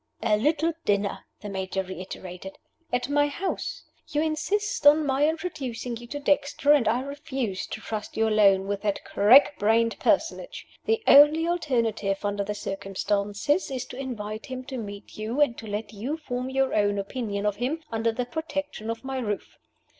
"A little dinner," the Major reiterated, "at my house. You insist on my introducing you to Dexter, and I refuse to trust you alone with that crack brained personage. The only alternative under the circumstances is to invite him to meet you, and to let you form your own opinion of him under the protection of my roof.